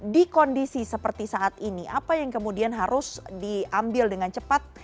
di kondisi seperti saat ini apa yang kemudian harus diambil dengan cepat